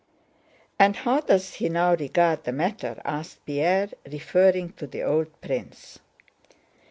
"And how does he now regard the matter?" asked Pierre, referring to the old prince.